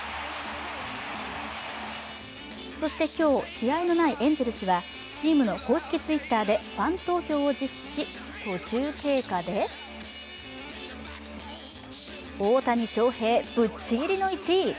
そして今日、試合のないエンゼルスはチームの公式Ｔｗｉｔｔｅｒでファン投票を実施し、途中経過で大谷翔平、ぶっちぎりの１位。